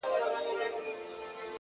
o د اوښکو ټول څاڅکي دي ټول راټول کړه ـ